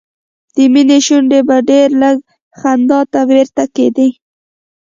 د مينې شونډې به ډېر لږ خندا ته بیرته کېدې